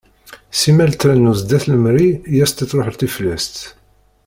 Simmal trennu sdat n lemri i as-tettruḥ teflest.